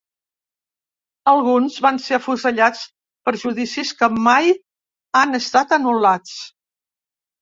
Alguns van ser afusellats per judicis que mai han estat anul·lats.